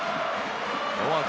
ノーアウト